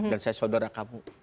dan saya saudara kamu